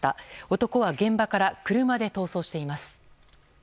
男は現場から車で逃走しています。